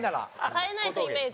変えないとイメージ。